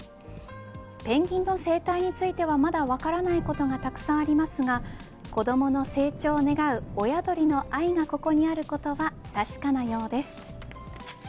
ペンギンの生態についてはまだ分からないことがたくさんありますが子どもの成長を願う親鳥の愛がここにあることは確かなようです。